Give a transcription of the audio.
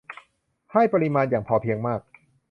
ให้ปริมาณอย่างพอเพียงมาก